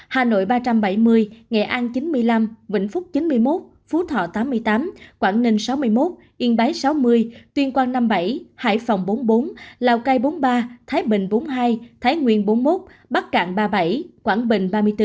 hà nội ba trăm bảy mươi nghệ an chín mươi năm vĩnh phúc chín mươi một phú thọ tám mươi tám quảng ninh sáu mươi một yên bái sáu mươi tuyên quang năm mươi bảy hải phòng bốn mươi bốn lào cai bốn mươi ba thái bình bốn mươi hai thái nguyên bốn mươi một bắc cạn ba mươi bảy quảng bình ba mươi bốn